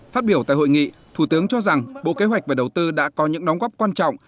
phát biểu tại hội nghị thủ tướng cho rằng bộ kế hoạch và đầu tư đã có những đóng góp quan trọng